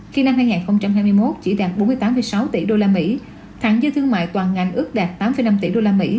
khi năm hai nghìn hai mươi một chỉ đạt bốn mươi tám sáu tỷ usd thẳng dư thương mại toàn ngành ước đạt tám năm tỷ usd